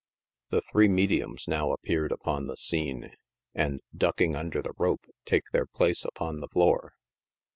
The three mediums now appeared upon the scene, and duck ing under the rope, take their place upon the floor.